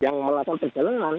yang melakukan perjalanan